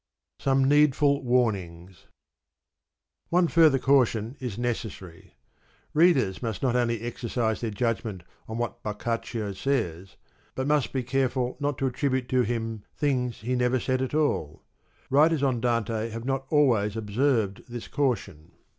Some needful Warnings.— One further caution is necessary. Readers must not only exercise their judg ment on what Boccaccio says, but must be careful not to attribute to him things he never said at all. Writers on Dante have not always observed this caution.